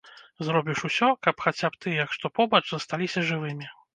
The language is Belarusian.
Зробіш усё, каб хаця б тыя, што побач, засталіся жывымі.